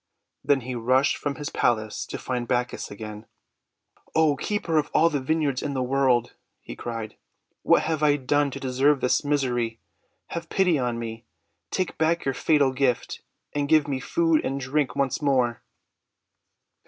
Then he rushed from his palace to find Bacchus again. " O Keeper of All the Vineyards in the World!' he cried. "What have I done to de serve this misery? Have pity on me! Take back your fatal gift, and give me food and drink once more!"